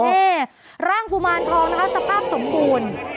นี่ร่างกุมารทองนะคะสภาพสมบูรณ์